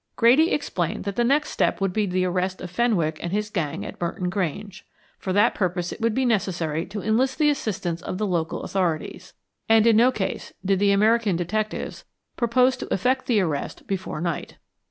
Grady explained that the next step would be the arrest of Fenwick and his gang at Merton Grange. For that purpose it would be necessary to enlist the assistance of the local authorities. And in no case did the American detectives purpose to effect the arrest before night.